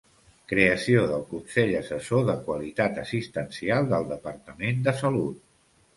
Creació del Consell Assessor de Qualitat Assistencial del Departament de Salut.